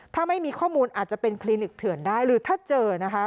ถ้าไม่มีข้อมูลอาจจะเป็นคลินิกเถื่อนได้หรือถ้าเจอนะคะ